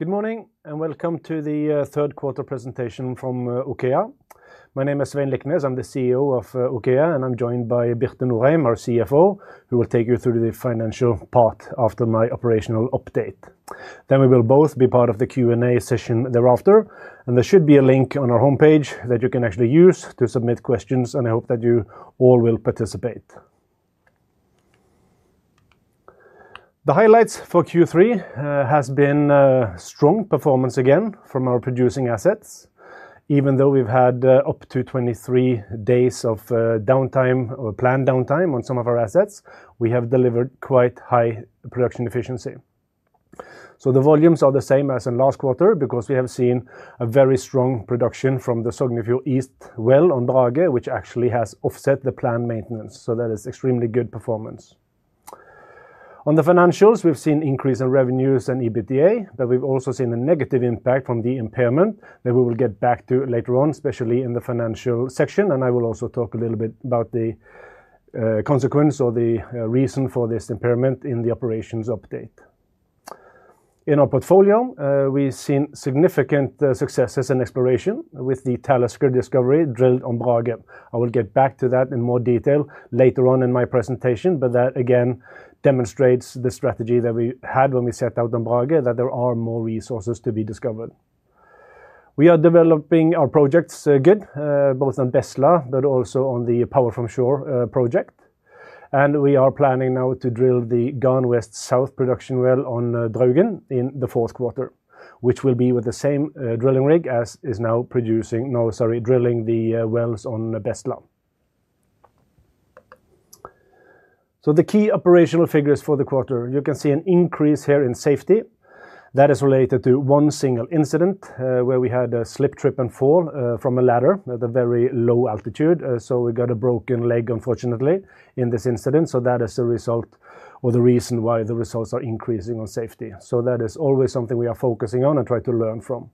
Good morning and welcome to the third quarter presentation from OKEA. My name is Svein Liknes, I'm the CEO of OKEA, and I'm joined by Birte Norheim, our CFO, who will take you through the financial part after my operational update. Then we will both be part of the Q&A session thereafter, and there should be a link on our homepage that you can actually use to submit questions, and I hope that you all will participate. The highlights for Q3 have been strong performance again from our producing assets. Even though we've had up to 23 days of downtime or planned downtime on some of our assets, we have delivered quite high production efficiency. The volumes are the same as in last quarter because we have seen a very strong production from the Sognefjord East well on Brage, which actually has offset the planned maintenance. That is extremely good performance. On the financials, we've seen an increase in revenues and EBITDA, but we've also seen a negative impact from the impairment that we will get back to later on, especially in the financial section, and I will also talk a little bit about the consequence or the reason for this impairment in the operations update. In our portfolio, we've seen significant successes and exploration with the Talisker discovery drilled on Brage. I will get back to that in more detail later on in my presentation, but that again demonstrates the strategy that we had when we set out on Brage, that there are more resources to be discovered. We are developing our projects good, both on Bestla, but also on the Power from Shore project, and we are planning now to drill the Garn West South production well on Draugen in the fourth quarter, which will be with the same drilling rig as is now producing, no, sorry, drilling the wells on Bestla. The key operational figures for the quarter, you can see an increase here in safety. That is related to one single incident where we had a slip, trip, and fall from a ladder at a very low altitude. We got a broken leg, unfortunately, in this incident. That is the result or the reason why the results are increasing on safety. That is always something we are focusing on and try to learn from.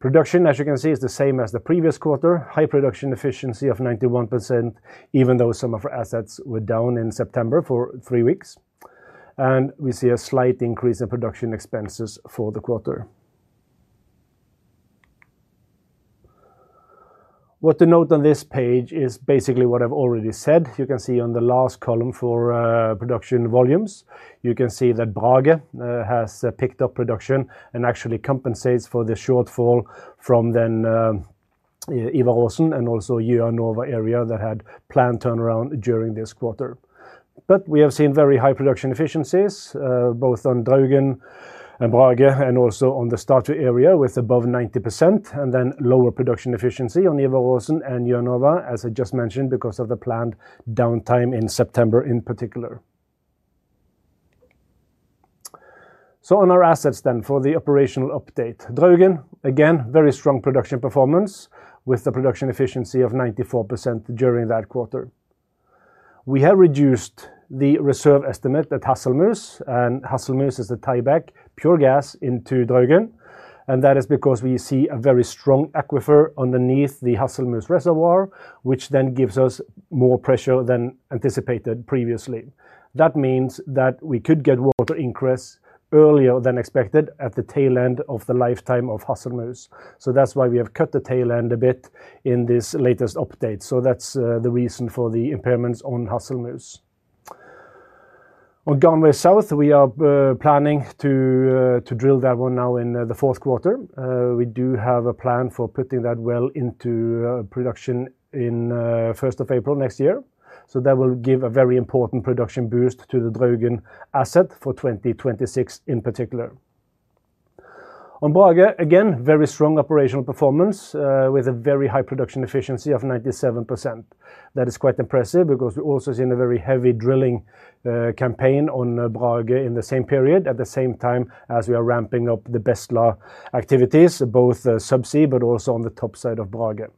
Production, as you can see, is the same as the previous quarter, high production efficiency of 91%, even though some of our assets were down in September for three weeks, and we see a slight increase in production expenses for the quarter. What to note on this page is basically what I've already said. You can see on the last column for production volumes, you can see that Brage has picked up production and actually compensates for the shortfall from then. Ivar Aasen and also Gjøa/Nova area that had planned turnaround during this quarter. We have seen very high production efficiencies both on Draugen and Brage and also on the Statfjord area with above 90%, and then lower production efficiency on Ivar Aasen and Gjøa/Nova, as I just mentioned, because of the planned downtime in September in particular. On our assets then for the operational update, Draugen, again, very strong production performance with the production efficiency of 94% during that quarter. We have reduced the reserve estimate at Hasselmus, and Hasselmus is the tie-back pure gas into Draugen, and that is because we see a very strong aquifer underneath the Hasselmus reservoir, which then gives us more pressure than anticipated previously. That means that we could get water increase earlier than expected at the tail end of the lifetime of Hasselmus. That is why we have cut the tail end a bit in this latest update. That is the reason for the impairments on Hasselmus. On Garn West South, we are planning to drill that one now in the fourth quarter. We do have a plan for putting that well into production on 1st of April next year. That will give a very important production boost to the Draugen asset for 2026 in particular. On Brage, again, very strong operational performance with a very high production efficiency of 97%. That is quite impressive because we also see a very heavy drilling campaign on Brage in the same period, at the same time as we are ramping up the Bestla activities, both subsea but also on the top side of Brage.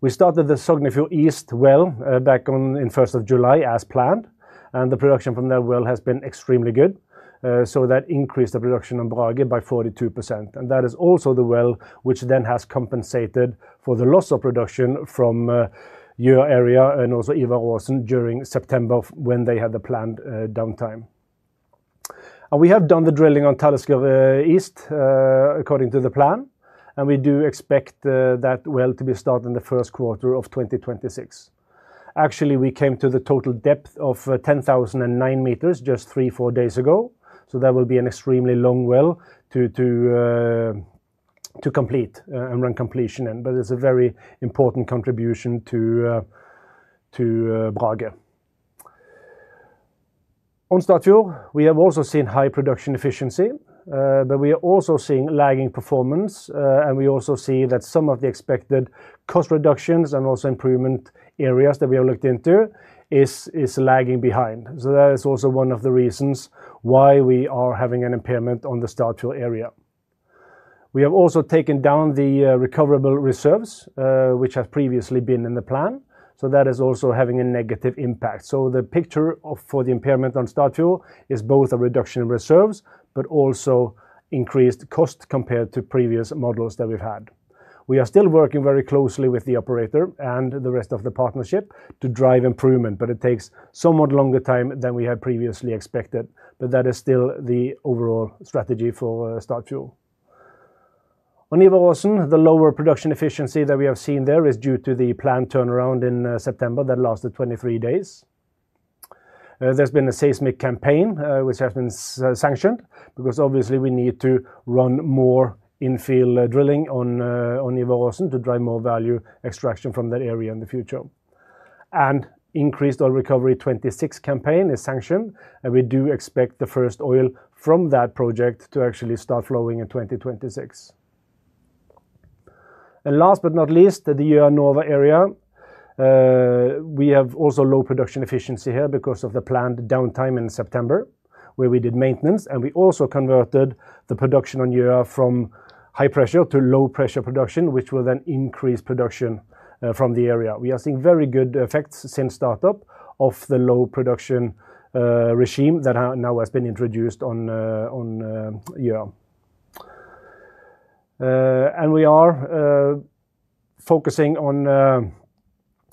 We started the Sognefjord East well back on 1st of July as planned, and the production from that well has been extremely good. That increased the production on Brage by 42%, and that is also the well which then has compensated for the loss of production from Gjøa area and also Ivar Aasen during September when they had the planned downtime. We have done the drilling on Talisker East according to the plan, and we do expect that well to be started in the first quarter of 2026. Actually, we came to the total depth of 10,009 m just three, four days ago. That will be an extremely long well to complete and run completion in, but it is a very important contribution to Brage. On Statfjord, we have also seen high production efficiency, but we are also seeing lagging performance, and we also see that some of the expected cost reductions and also improvement areas that we have looked into are lagging behind. That is also one of the reasons why we are having an impairment on the Statfjord area. We have also taken down the recoverable reserves, which have previously been in the plan. That is also having a negative impact. The picture for the impairment on Statfjord is both a reduction in reserves, but also increased cost compared to previous models that we have had. We are still working very closely with the operator and the rest of the partnership to drive improvement, but it takes somewhat longer time than we had previously expected. That is still the overall strategy for Statfjord. On Ivar Aasen, the lower production efficiency that we have seen there is due to the planned turnaround in September that lasted 23 days. There has been a seismic campaign which has been sanctioned because obviously we need to run more infield drilling on Ivar Aasen to drive more value extraction from that area in the future. An increased oil recovery 2026 campaign is sanctioned, and we do expect the first oil from that project to actually start flowing in 2026. Last but not least, the Gjøa/Nova area. We have also low production efficiency here because of the planned downtime in September where we did maintenance, and we also converted the production on Gjøa from high pressure to low pressure production, which will then increase production from the area. We are seeing very good effects since startup of the low pressure production regime that now has been introduced on Gjøa. We are focusing on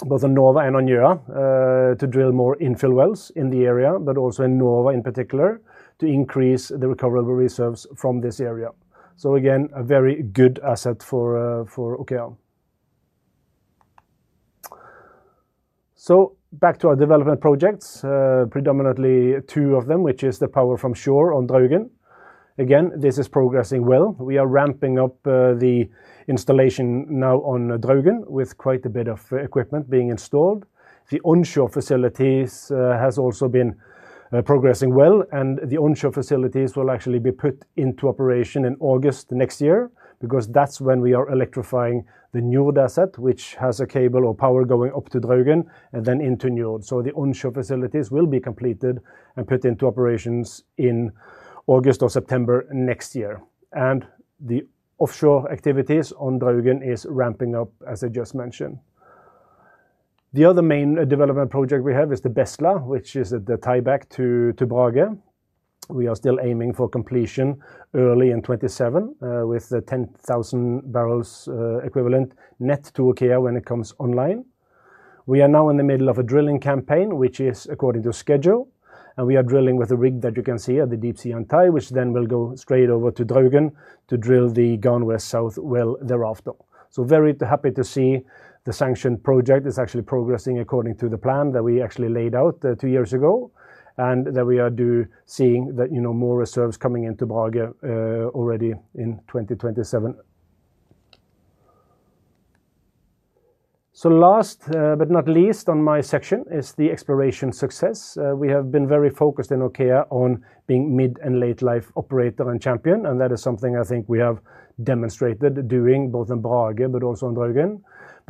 both on Nova and on Gjøa to drill more infield wells in the area, but also in Nova in particular to increase the recoverable reserves from this area. Again, a very good asset for OKEA. Back to our development projects, predominantly two of them, which is the Power from Shore on Draugen. This is progressing well. We are ramping up the installation now on Draugen with quite a bit of equipment being installed. The onshore facilities have also been progressing well, and the onshore facilities will actually be put into operation in August next year because that is when we are electrifying the Njord asset, which has a cable or power going up to Draugen and then into Njord. The onshore facilities will be completed and put into operations in August or September next year. The offshore activities on Draugen are ramping up, as I just mentioned. The other main development project we have is the Bestla, which is the tie-back to Brage. We are still aiming for completion early in 2027 with the 10,000 bbl equivalent net to OKEA when it comes online. We are now in the middle of a drilling campaign, which is according to schedule, and we are drilling with a rig that you can see at the Deepsea Yantai, which then will go straight over to Draugen to drill the Garn West South well thereafter. Very happy to see the sanctioned project is actually progressing according to the plan that we actually laid out two years ago and that we are seeing that more reserves coming into Brage already in 2027. Last but not least on my section is the exploration success. We have been very focused in OKEA on being mid and late life operator and champion, and that is something I think we have demonstrated doing both in Brage but also in Draugen.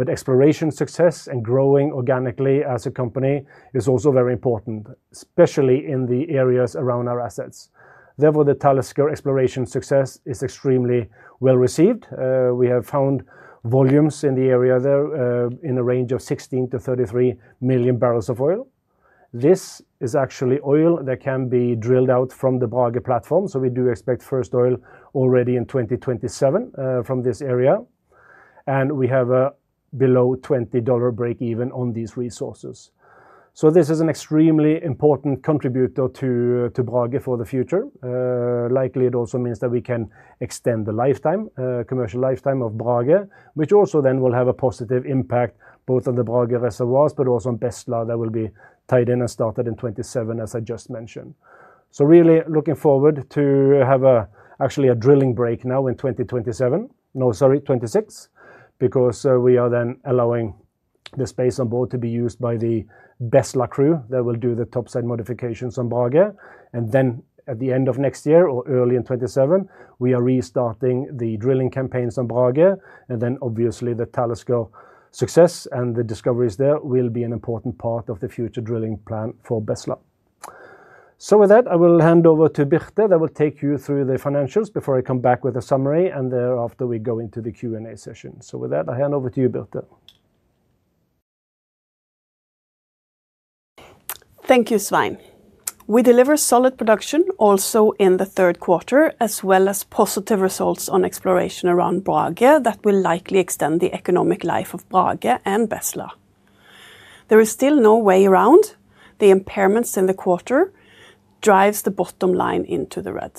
Exploration success and growing organically as a company is also very important, especially in the areas around our assets. Therefore, the Talisker exploration success is extremely well received. We have found volumes in the area there in a range of 16 bbl-33 bbl million of oil. This is actually oil that can be drilled out from the Brage platform, so we do expect first oil already in 2027 from this area, and we have a below $20 breakeven on these resources. This is an extremely important contributor to Brage for the future. Likely, it also means that we can extend the lifetime, commercial lifetime of Brage, which also then will have a positive impact both on the Brage reservoirs but also on Bestla that will be tied in and started in 2027, as I just mentioned. Really looking forward to have actually a drilling break now in 2027, no, sorry, 2026, because we are then allowing the space on board to be used by the Bestla crew that will do the topside modifications on Brage. At the end of next year or early in 2027, we are restarting the drilling campaigns on Brage, and then obviously the Talisker success and the discoveries there will be an important part of the future drilling plan for Bestla. With that, I will hand over to Birte that will take you through the financials before I come back with a summary, and thereafter we go into the Q&A session. With that, I hand over to you, Birte. Thank you, Svein. We deliver solid production also in the third quarter, as well as positive results on exploration around Brage that will likely extend the economic life of Brage and Bestla. There is still no way around the impairments in the quarter drives the bottom line into the red.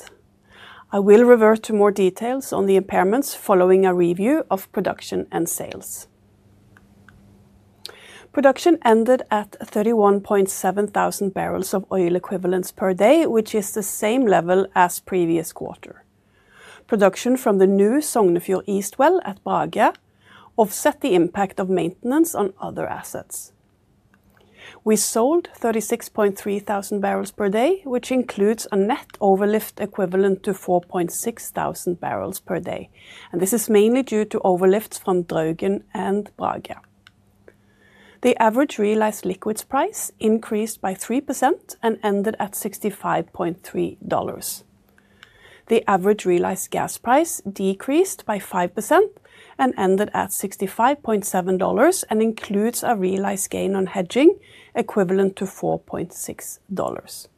I will revert to more details on the impairments following a review of production and sales. Production ended at 31,700 bbl of oil equivalents per day, which is the same level as previous quarter. Production from the new Sognefjord East well at Brage offset the impact of maintenance on other assets. We sold 36,300 bbl per day, which includes a net overlift equivalent to 4,600 bbl per day. This is mainly due to overlifts from Draugen and Brage. The average realized liquids price increased by 3% and ended at $65.3. The average realized gas price decreased by 5% and ended at $65.7 and includes a realized gain on hedging equivalent to $4.6.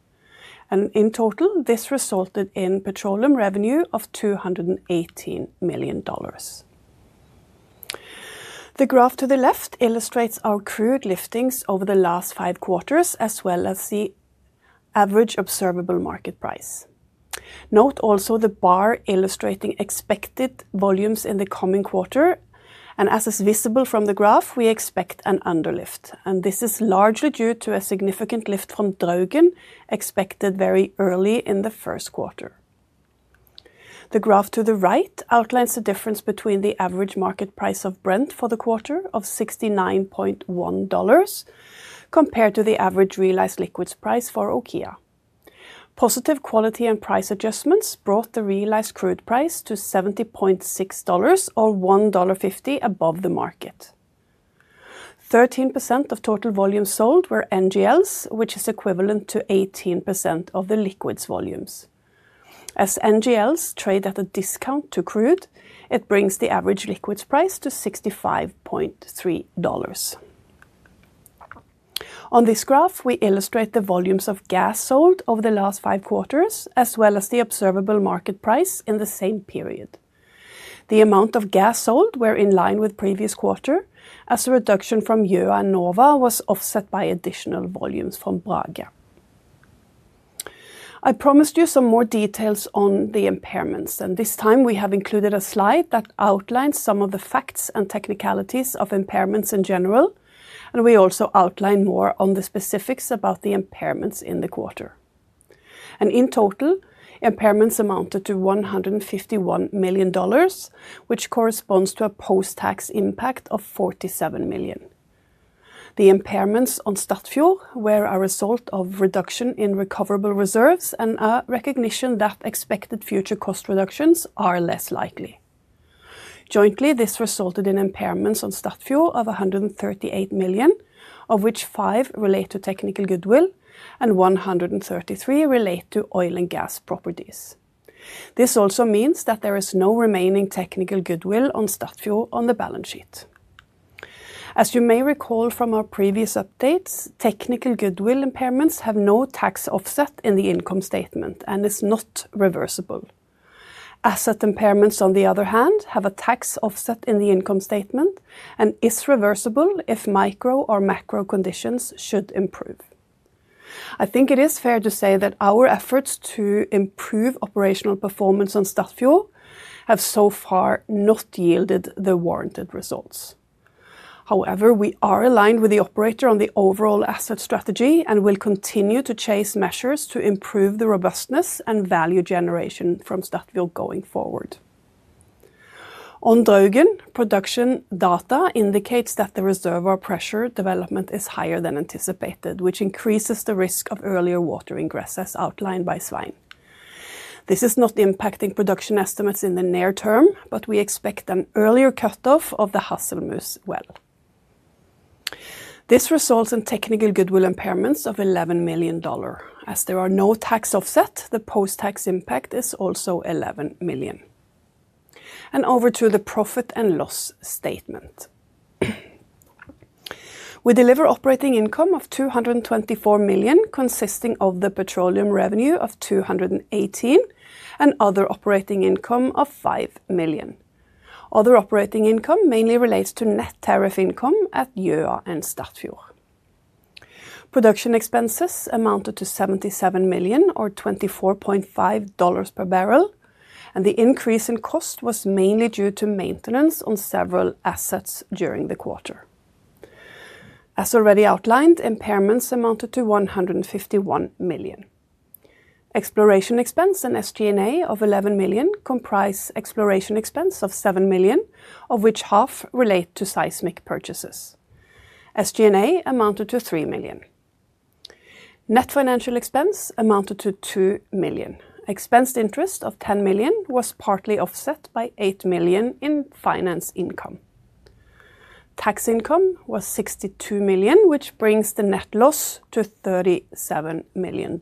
In total, this resulted in petroleum revenue of $218 million. The graph to the left illustrates our crude liftings over the last five quarters, as well as the average observable market price. Note also the bar illustrating expected volumes in the coming quarter. As is visible from the graph, we expect an underlift. This is largely due to a significant lift from Draugen expected very early in the first quarter. The graph to the right outlines the difference between the average market price of Brent for the quarter of $69.1 compared to the average realized liquids price for OKEA. Positive quality and price adjustments brought the realized crude price to $70.6, or $1.50 above the market. 13% of total volumes sold were NGLs, which is equivalent to 18% of the liquids volumes. As NGLs trade at a discount to crude, it brings the average liquids price to $65.3. On this graph, we illustrate the volumes of gas sold over the last five quarters, as well as the observable market price in the same period. The amount of gas sold were in line with previous quarter, as the reduction from Gjøa/Nova was offset by additional volumes from Brage. I promised you some more details on the impairments, and this time we have included a slide that outlines some of the facts and technicalities of impairments in general, and we also outline more on the specifics about the impairments in the quarter. In total, impairments amounted to $151 million, which corresponds to a post-tax impact of $47 million. The impairments on Statfjord were a result of reduction in recoverable reserves and a recognition that expected future cost reductions are less likely. Jointly, this resulted in impairments on Statfjord of $138 million, of which five relate to technical goodwill and $133 relate to oil and gas properties. This also means that there is no remaining technical goodwill on Statfjord on the balance sheet. As you may recall from our previous updates, technical goodwill impairments have no tax offset in the income statement and are not reversible. Asset impairments, on the other hand, have a tax offset in the income statement and are reversible if micro or macro conditions should improve. I think it is fair to say that our efforts to improve operational performance on Statfjord have so far not yielded the warranted results. However, we are aligned with the operator on the overall asset strategy and will continue to chase measures to improve the robustness and value generation from Statfjord going forward. On Draugen, production data indicates that the reservoir pressure development is higher than anticipated, which increases the risk of earlier water ingress, as outlined by Svein. This is not impacting production estimates in the near term, but we expect an earlier cutoff of the Hasselmus well. This results in technical goodwill impairments of $11 million. As there are no tax offsets, the post-tax impact is also $11 million. Over to the profit and loss statement. We deliver operating income of $224 million, consisting of the petroleum revenue of $218 million and other operating income of $5 million. Other operating income mainly relates to net tariff income at Gjøa and Statfjord. Production expenses amounted to $77 million, or $24.5 per bbl, and the increase in cost was mainly due to maintenance on several assets during the quarter. As already outlined, impairments amounted to $151 million. Exploration expense and SG&A of $11 million comprise exploration expense of $7 million, of which half relate to seismic purchases. SG&A amounted to $3 million. Net financial expense amounted to $2 million. Expensed interest of $10 million was partly offset by $8 million in finance income. Tax income was $62 million, which brings the net loss to $37 million.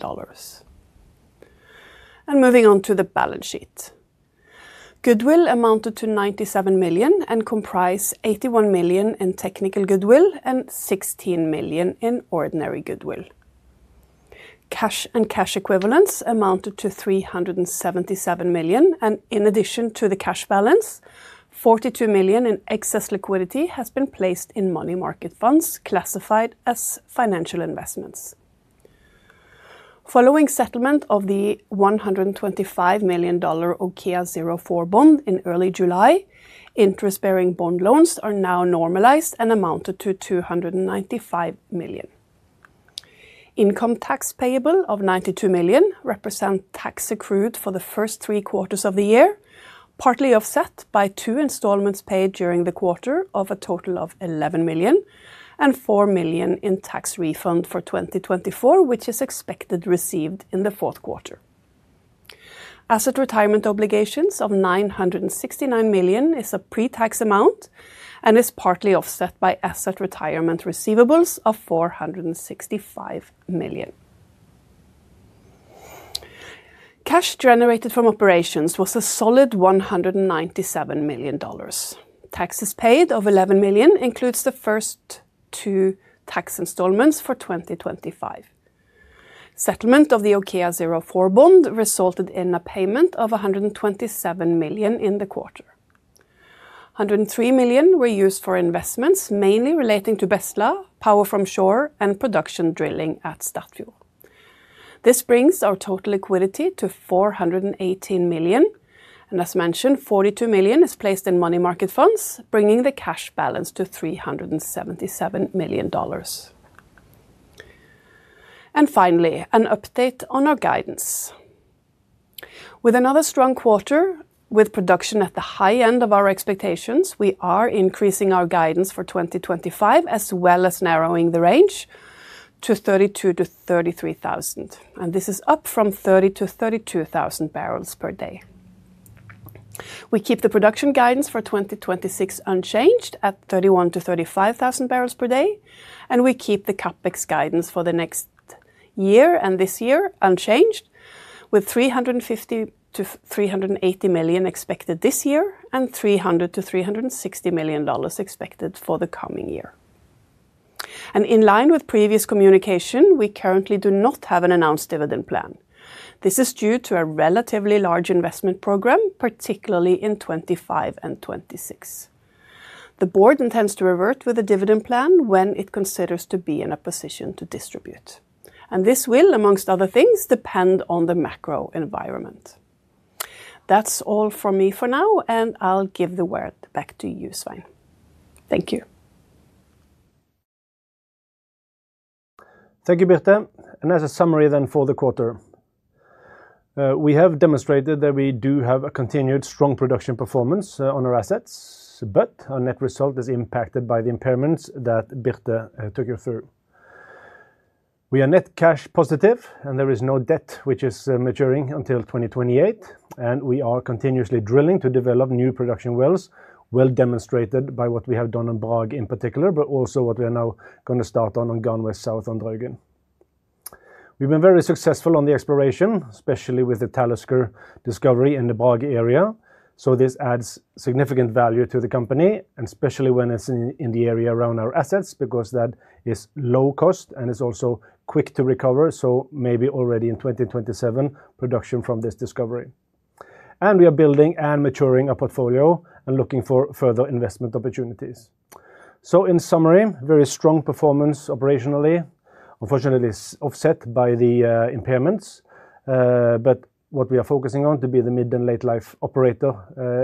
Moving on to the balance sheet. Goodwill amounted to $97 million and comprised $81 million in technical goodwill and $16 million in ordinary goodwill. Cash and cash equivalents amounted to $377 million, and in addition to the cash balance, $42 million in excess liquidity has been placed in money market funds classified as financial investments. Following settlement of the $125 million OKEA04 bond in early July, interest-bearing bond loans are now normalized and amounted to $295 million. Income tax payable of $92 million represents tax accrued for the first three quarters of the year, partly offset by two installments paid during the quarter of a total of $11 million and $4 million in tax refund for 2024, which is expected received in the fourth quarter. Asset retirement obligations of $969 million is a pre-tax amount and is partly offset by asset retirement receivables of $465 million. Cash generated from operations was a solid $197 million. Taxes paid of $11 million includes the first two tax installments for 2025. Settlement of the OKEA04 bond resulted in a payment of $127 million in the quarter. $103 million were used for investments mainly relating to Bestla, Power from Shore, and production drilling at Statfjord. This brings our total liquidity to $418 million, and as mentioned, $42 million is placed in money market funds, bringing the cash balance to $377 million. Finally, an update on our guidance. With another strong quarter, with production at the high end of our expectations, we are increasing our guidance for 2025, as well as narrowing the range to 32,000 bbl-33,000 bbl. This is up from 30,000 bbl-32,000 bbl per day. We keep the production guidance for 2026 unchanged at 31,000 bbl-35,000 bbl per day, and we keep the CapEx guidance for the next year and this year unchanged, with $350 million-$380 million expected this year and $300 million-360 million expected for the coming year. In line with previous communication, we currently do not have an announced dividend plan. This is due to a relatively large investment program, particularly in 2025 and 2026. The board intends to revert with a dividend plan when it considers to be in a position to distribute. This will, amongst other things, depend on the macro environment. That's all from me for now, and I'll give the word back to you, Svein. Thank you. Thank you, Birte. As a summary then for the quarter. We have demonstrated that we do have a continued strong production performance on our assets, but our net result is impacted by the impairments that Birte took you through. We are net cash positive, and there is no debt which is maturing until 2028, and we are continuously drilling to develop new production wells, well demonstrated by what we have done on Brage in particular, but also what we are now going to start on Garn West South on Draugen. We've been very successful on the exploration, especially with the Talisker discovery in the Brage area. This adds significant value to the company, and especially when it's in the area around our assets, because that is low cost and is also quick to recover. Maybe already in 2027, production from this discovery. We are building and maturing a portfolio and looking for further investment opportunities. In summary, very strong performance operationally. Unfortunately, this is offset by the impairments, but what we are focusing on to be the mid and late-life operator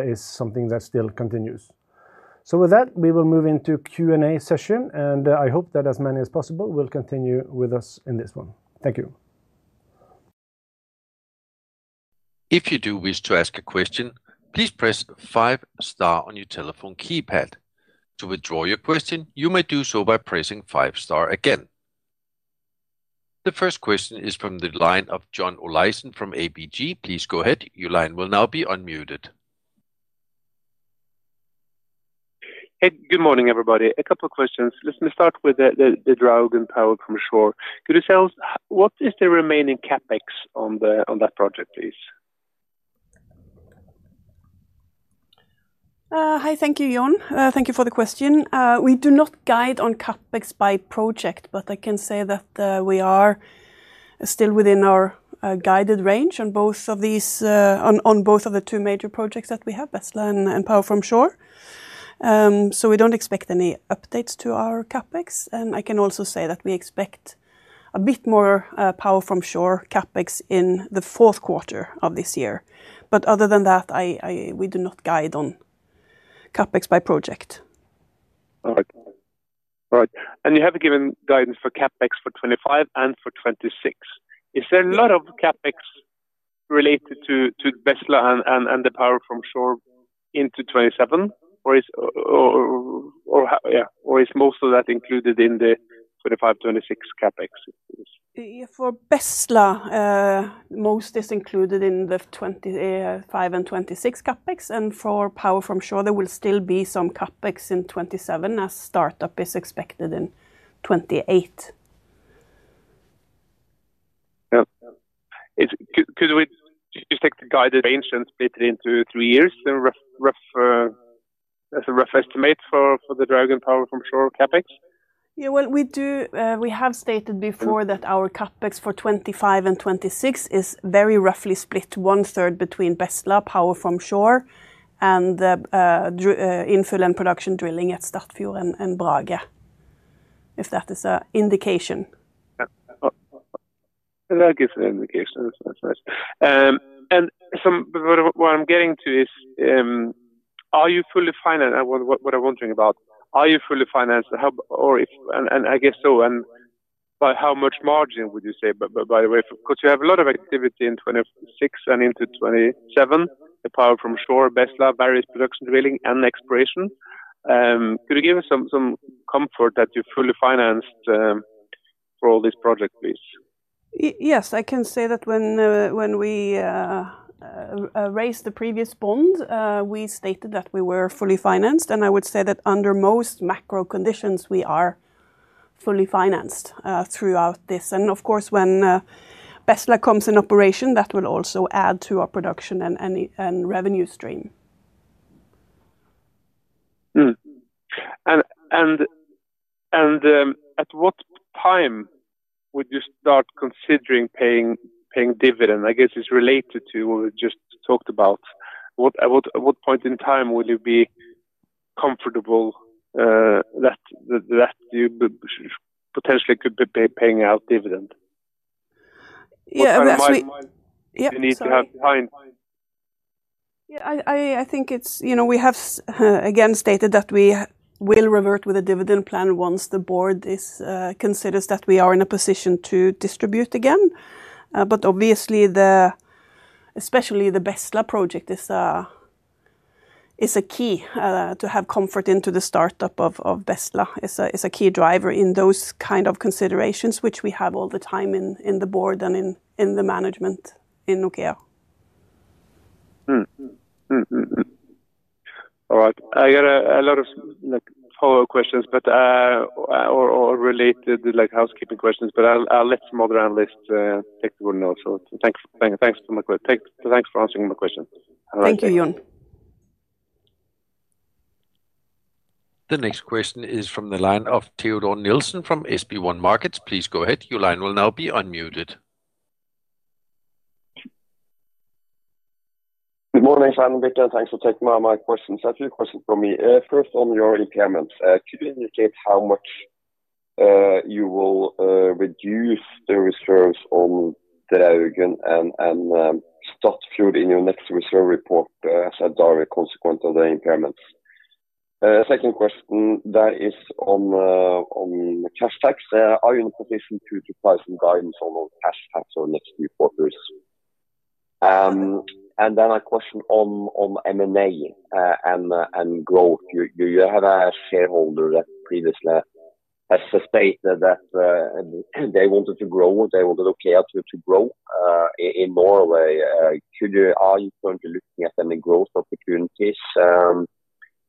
is something that still continues. With that, we will move into Q&A session, and I hope that as many as possible will continue with us in this one. Thank you. If you do wish to ask a question, please press five-star on your telephone keypad. To withdraw your question, you may do so by pressing five-star again. The first question is from the line of John Olaisen from ABG. Please go ahead. Your line will now be unmuted. Hey, good morning, everybody. A couple of questions. Let's start with the Draugen Power from Shore. Could you tell us what is the remaining CapEx on that project, please? Hi, thank you, John. Thank you for the question. We do not guide on CapEx by project, but I can say that we are still within our guided range on both of these, on both of the two major projects that we have, Bestla and Power from Shore. We don't expect any updates to our CapEx. I can also say that we expect a bit more Power from Shore CapEx in the fourth quarter of this year. Other than that, we do not guide on CapEx by project. All right. You have given guidance for CapEx for 2025 and for 2026. Is there a lot of CapEx related to Bestla and the Power from Shore into 2027? Is most of that included in the 2025-2026 CapEx? For Bestla, most is included in the 2025 and 2026 CapEx, and for Power from Shore, there will still be some CapEx in 2027 as startup is expected in 2028. Could we just take the guided range and split it into three years as a rough estimate for the Draugen Power from Shore CapEx? Yeah, we have stated before that our CapEx for 2025 and 2026 is very roughly split, 1/3 between Bestla, Power from Shore, and infill and production drilling at Statfjord and Brage. If that is an indication. That gives an indication. What I'm getting to is, are you fully financed? What I'm wondering about, are you fully financed? I guess so, and by how much margin would you say, by the way? You have a lot of activity in 2026 and into 2027, the Power from Shore, Bestla, various production drilling and exploration. Could you give us some comfort that you're fully financed for all this project, please? Yes, I can say that when we raised the previous bond, we stated that we were fully financed, and I would say that under most macro conditions, we are fully financed throughout this. Of course, when Bestla comes in operation, that will also add to our production and revenue stream. At what time would you start considering paying dividend? I guess it's related to what we just talked about. At what point in time would you be comfortable that you potentially could be paying out dividend? I think we have, again, stated that we will revert with a dividend plan once the board considers that we are in a position to distribute again. Obviously, especially the Bestla project is a key to have comfort into the startup of Bestla. It's a key driver in those kind of considerations, which we have all the time in the board and in the management in OKEA. All right. I got a lot of follow-up questions or related housekeeping questions, but I'll let some other analysts take the word now. Thanks for answering my questions. Thank you, John. The next question is from the line of Teodor Nilsen from SB1 Markets. Please go ahead. Your line will now be unmuted. Good morning, Svein and Birte, and thanks for taking my questions. A few questions from me. First, on your impairments, could you indicate how much you will reduce the reserves on Draugen and Statfjord in your next reserve report as a direct consequence of the impairments? Second question, that is on cash tax. Are you in a position to provide some guidance on cash tax on next few quarters? Then a question on M&A and growth. You have a shareholder that previously has stated that they wanted to grow, they wanted OKEA to grow in Norway. Are you currently looking at any growth opportunities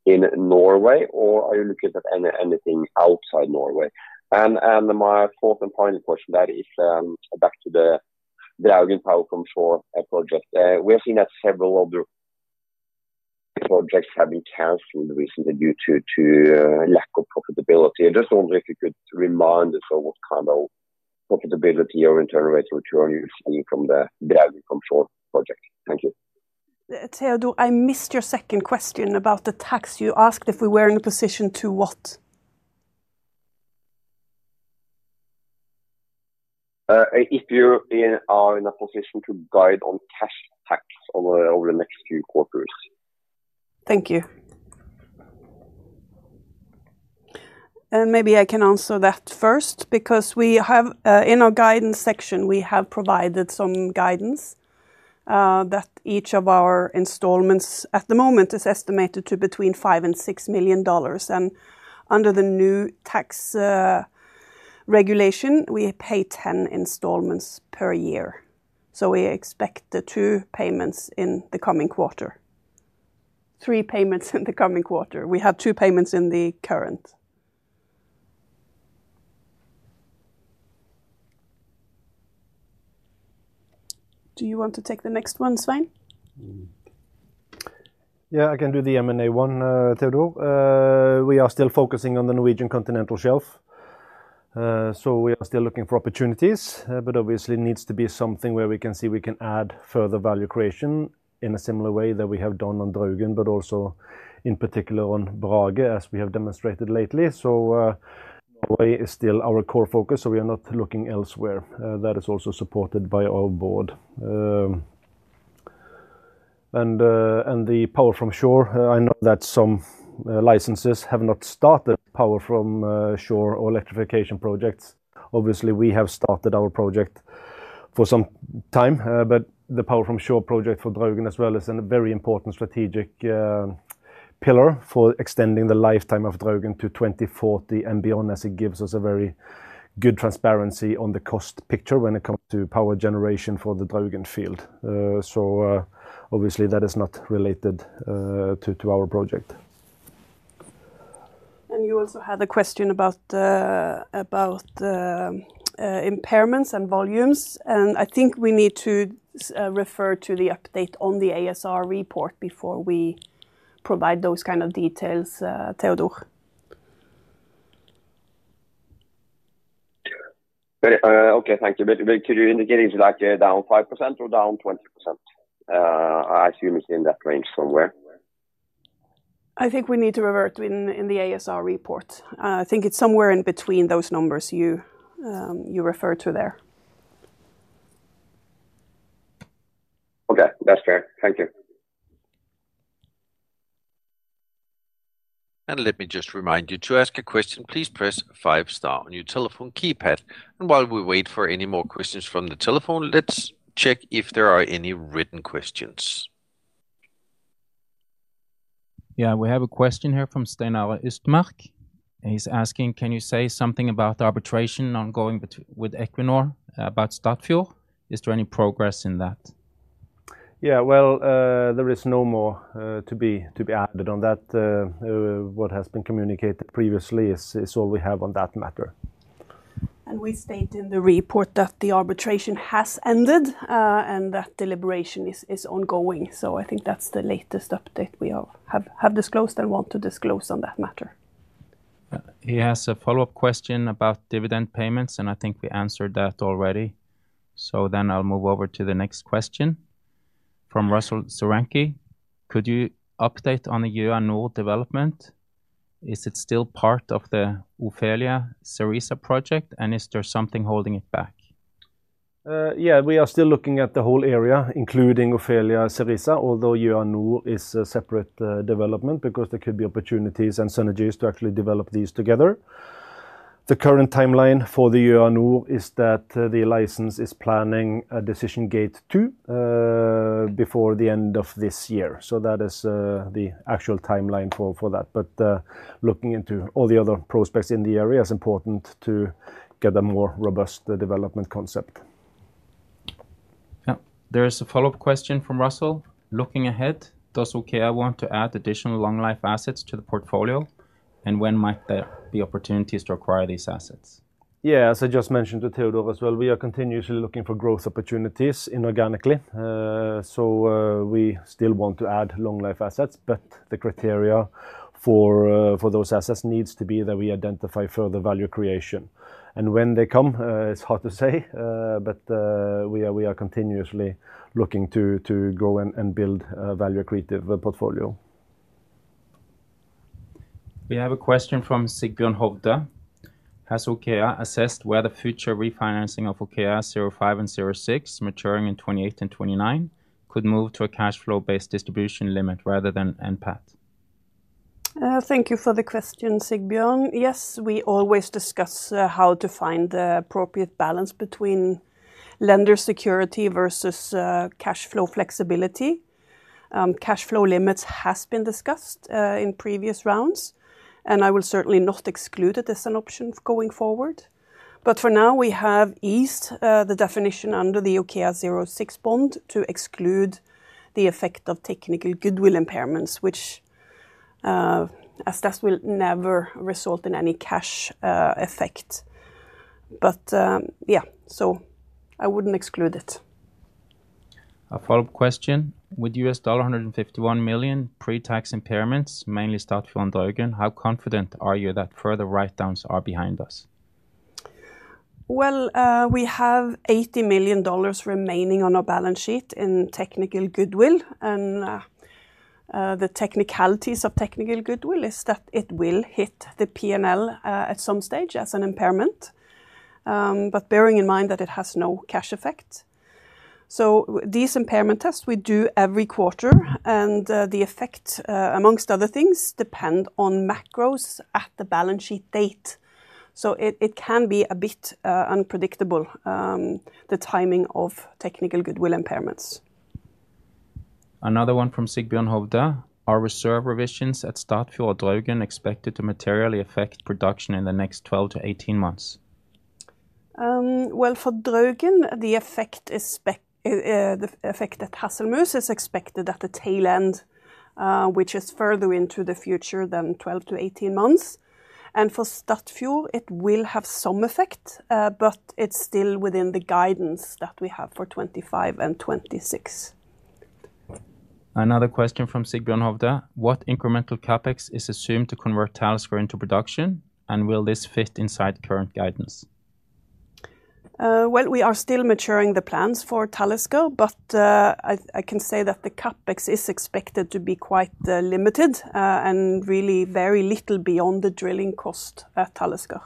in Norway, or are you looking at anything outside Norway? My fourth and final question, that is back to the Draugen Power from Shore project. We have seen that several other projects have been canceled recently due to lack of profitability. I just wonder if you could remind us of what kind of profitability or return rate return you've seen from the Draugen from Shore project. Thank you. Teodor, I missed your second question about the tax. You asked if we were in a position to what? If you are in a position to guide on cash tax over the next few quarters. Thank you. Maybe I can answer that first, because in our guidance section, we have provided some guidance. That each of our installments at the moment is estimated to between $5 million and $6 million. And under the new tax regulation, we pay 10 installments per year. So we expect the two payments in the coming quarter. Three payments in the coming quarter. We have two payments in the current. Do you want to take the next one, Svein? Yeah, I can do the M&A one, Teodor. We are still focusing on the Norwegian continental shelf. So we are still looking for opportunities, but obviously it needs to be something where we can see we can add further value creation in a similar way that we have done on Draugen, but also in particular on Brage, as we have demonstrated lately. Norway is still our core focus, so we are not looking elsewhere. That is also supported by our board. The Power from Shore, I know that some licenses have not started Power from Shore or electrification projects. Obviously, we have started our project for some time, but the Power from Shore project for Draugen as well is a very important strategic pillar for extending the lifetime of Draugen to 2040 and beyond, as it gives us a very good transparency on the cost picture when it comes to power generation for the Draugen field. Obviously, that is not related to our project. You also had a question about impairments and volumes, and I think we need to refer to the update on the ASR report before we provide those kind of details, Teodor. Okay, thank you. Could you indicate if you'd like it down 5% or down 20%? I assume it's in that range somewhere. I think we need to revert in the ASR report. I think it's somewhere in between those numbers you refer to there. Okay, that's fair. Thank you. Let me just remind you to ask a question. Please press five-star on your telephone keypad. While we wait for any more questions from the telephone, let's check if there are any written questions. Yeah, we have a question here from Steinar Østmark. He's asking, can you say something about the arbitration ongoing with Equinor about [Statfjord]? Is there any progress in that? There is no more to be added on that. What has been communicated previously is all we have on that matter. We state in the report that the arbitration has ended and that deliberation is ongoing. I think that's the latest update we have disclosed and want to disclose on that matter. He has a follow-up question about dividend payments, and I think we answered that already. I'll move over to the next question. From Russell Zorenki, could you update on the Gjøa Nord development? Is it still part of the Ofelia-Cerisa project, and is there something holding it back? Yeah, we are still looking at the whole area, including Ofelia-Cerisa, although Gjøa Nord is a separate development because there could be opportunities and synergies to actually develop these together. The current timeline for the Gjøa Nord is that the license is planning a decision gate two before the end of this year. That is the actual timeline for that. Looking into all the other prospects in the area is important to get a more robust development concept. There is a follow-up question from Russell. Looking ahead, does OKEA want to add additional long-life assets to the portfolio, and when might there be opportunities to acquire these assets? Yeah, as I just mentioned to Teodor as well, we are continuously looking for growth opportunities inorganically. We still want to add long-life assets, but the criteria for those assets needs to be that we identify further value creation. When they come, it's hard to say, but we are continuously looking to grow and build a value-creative portfolio. We have a question from Sigbjørn Hovda. Has OKEA assessed whether future refinancing of OKEA05 and OKEA06, maturing in 2028 and 2029, could move to a cash flow-based distribution limit rather than NPAT? Thank you for the question, Sigbjørn. Yes, we always discuss how to find the appropriate balance between lender security versus cash flow flexibility. Cash flow limits have been discussed in previous rounds, and I will certainly not exclude it as an option going forward. For now, we have eased the definition under the OKEA06 bond to exclude the effect of technical goodwill impairments, as that will never result in any cash effect. I wouldn't exclude it. A follow-up question. With $151 million pre-tax impairments, mainly Statfjord and Draugen, how confident are you that further write-downs are behind us? We have $80 million remaining on our balance sheet in technical goodwill. The technicalities of technical goodwill is that it will hit the P&L at some stage as an impairment, but bearing in mind that it has no cash effect. These impairment tests, we do every quarter, and the effect, amongst other things, depends on macros at the balance sheet date. It can be a bit unpredictable, the timing of technical goodwill impairments. Another one from Sigbjørn Hovda. Are reserve revisions at Statfjord or Draugen expected to materially affect production in the next 12 months-18 months? For Draugen, the effect at Hasselmus is expected at the tail end, which is further into the future than 12 to 18 months. For Statfjord, it will have some effect, but it's still within the guidance that we have for 2025 and 2026. Another question from Sigbjørn Hovda. What incremental CapEx is assumed to convert Talisker into production, and will this fit inside current guidance? We are still maturing the plans for Talisker, but I can say that the CapEx is expected to be quite limited and really very little beyond the drilling cost at Talisker.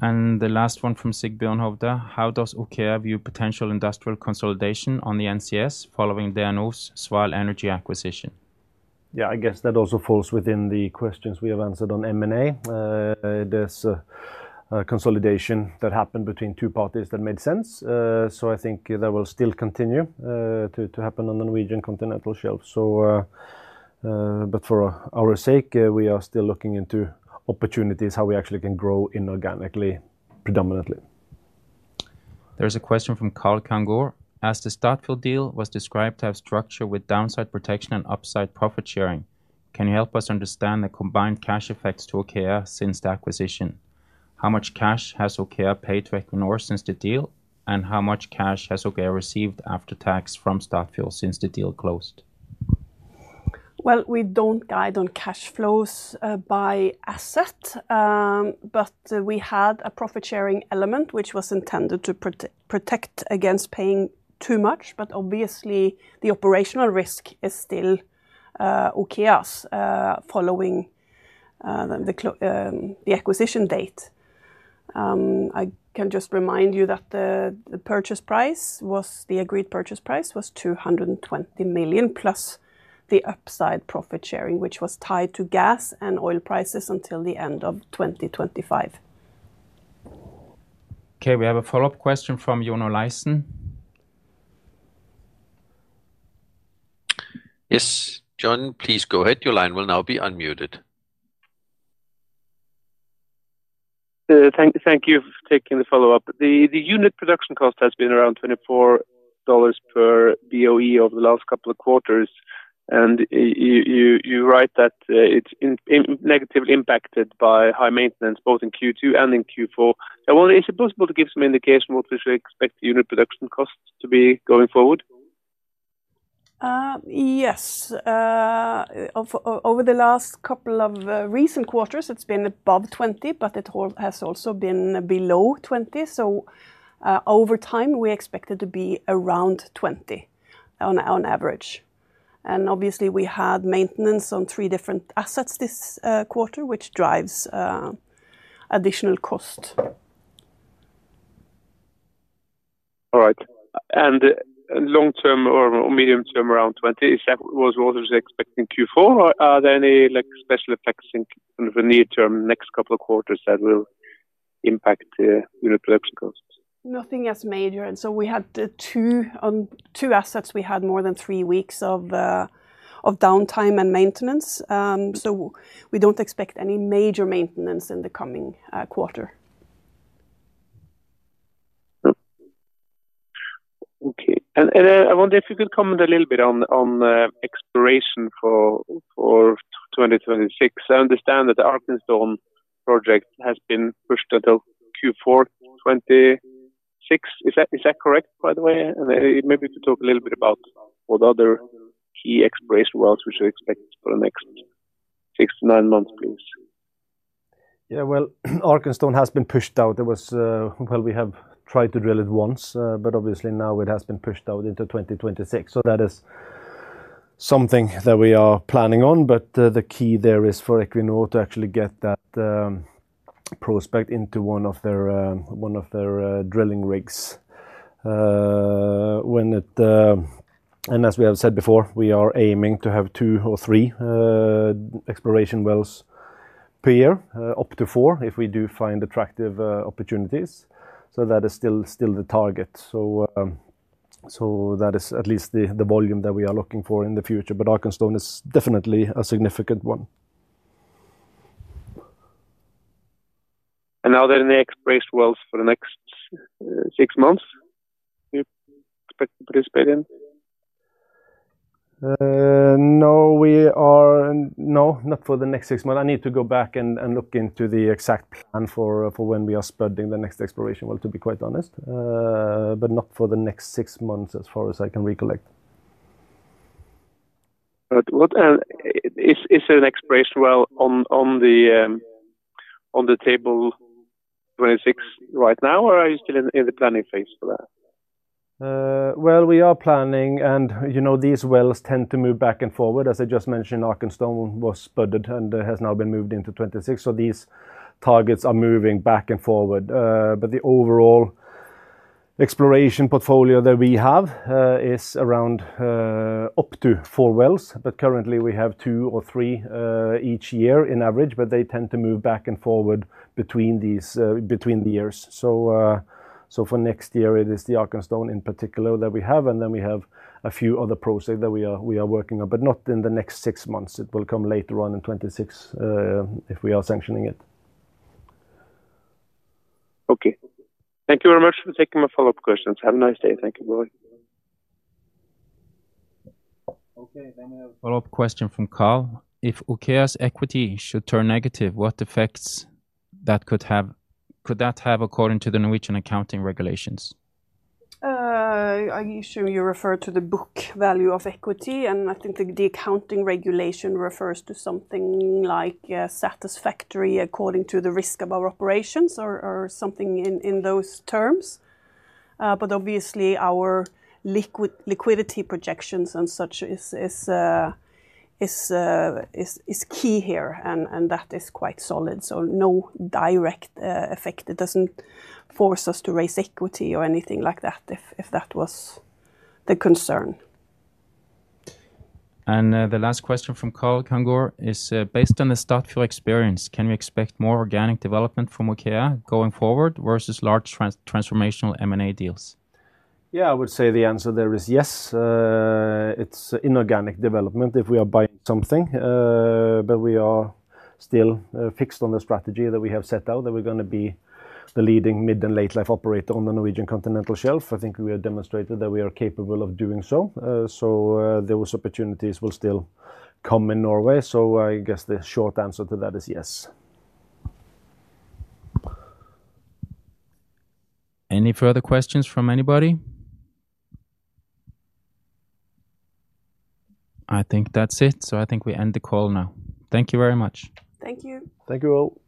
The last one from Sigbjørn Hovda. How does OKEA view potential industrial consolidation on the NCS following DNO's Sval Energi acquisition? I guess that also falls within the questions we have answered on M&A. There is a consolidation that happened between two parties that made sense. I think that will still continue to happen on the Norwegian continental shelf. For our sake, we are still looking into opportunities, how we actually can grow inorganically predominantly. There is a question from Karl Kangor. As the Statfjord deal was described to have structure with downside protection and upside profit sharing, can you help us understand the combined cash effects to OKEA since the acquisition? How much cash has OKEA paid to Equinor since the deal, and how much cash has OKEA received after tax from Statfjord since the deal closed? We do not guide on cash flows by asset. We had a profit sharing element, which was intended to protect against paying too much. Obviously, the operational risk is still OKEA's following the acquisition date. I can just remind you that the purchase price was the agreed purchase price was $220 million plus the upside profit sharing, which was tied to gas and oil prices until the end of 2025. We have a follow-up question from [Jónó Leifsen]. Yes, John, please go ahead. Your line will now be unmuted. Thank you for taking the follow-up. The unit production cost has been around $24 per boe over the last couple of quarters. You write that it's negatively impacted by high maintenance, both in Q2 and in Q4. Is it possible to give some indication what we should expect the unit production costs to be going forward? Yes. Over the last couple of recent quarters, it's been above 20, but it has also been below 20. Over time, we expect it to be around 20 on average. Obviously, we had maintenance on three different assets this quarter, which drives additional cost. All right. Long-term or medium-term around 20, is that what was expected in Q4? Are there any special effects in the near term, next couple of quarters that will impact unit production costs? Nothing as major. We had two assets, we had more than three weeks of downtime and maintenance. We do not expect any major maintenance in the coming quarter. I wonder if you could comment a little bit on exploration for 2026. I understand that the Arkenstone project has been pushed until Q4. Is that correct, by the way? Maybe you could talk a little bit about what other key exploration routes we should expect for the next six to nine months, please. Arkenstone has been pushed out. We have tried to drill it once, but obviously now it has been pushed out into 2026. That is something that we are planning on. The key there is for Equinor to actually get that prospect into one of their drilling rigs. As we have said before, we are aiming to have two or three exploration wells per year, up to four if we do find attractive opportunities. That is still the target. That is at least the volume that we are looking for in the future. Arkenstone is definitely a significant one. Are there any exploration wells for the next six months you expect to participate in? No, not for the next six months. I need to go back and look into the exact plan for when we are spreading the next exploration well, to be quite honest. Not for the next six months, as far as I can recollect. Is there an exploration well on the table right now, or are you still in the planning phase for that? We are planning, and these wells tend to move back and forward. As I just mentioned, Arkenstone was spread and has now been moved into 2026. These targets are moving back and forward. The overall exploration portfolio that we have is around up to four wells. Currently, we have two or three each year on average, but they tend to move back and forward between the years. For next year, it is the Arkenstone in particular that we have. Then we have a few other projects that we are working on, but not in the next six months. It will come later on in 2026 if we are sanctioning it. Thank you very much for taking my follow-up questions. Have a nice day. Thank you very much. We have a follow-up question from Karl. If OKEA's equity should turn negative, what effects could that have according to the Norwegian accounting regulations? I assume you refer to the book value of equity, and I think the accounting regulation refers to something like satisfactory according to the risk of our operations or something in those terms. Obviously, our liquidity projections and such is key here, and that is quite solid. No direct effect. It does not force us to raise equity or anything like that if that was the concern. The last question from Karl Kangor is, based on the Statfjord experience, can we expect more organic development from OKEA going forward versus large transformational M&A deals? I would say the answer there is yes. It is inorganic development if we are buying something. We are still fixed on the strategy that we have set out that we're going to be the leading mid and late-life operator on the Norwegian continental shelf. I think we have demonstrated that we are capable of doing so. Those opportunities will still come in Norway. I guess the short answer to that is yes. Any further questions from anybody? I think that's it. I think we end the call now. Thank you very much. Thank you. Thank you all.